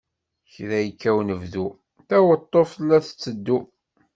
Kra yekka unebdu, taweṭṭuft la tetteddu.